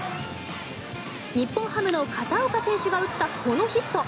日本ハムの片岡選手が打ったこのヒット。